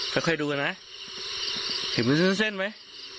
ค่อยดูกันนะเห็นมันเส้นไหม